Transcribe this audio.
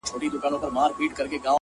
مهرباني له قهره پیاوړې اغېزه لري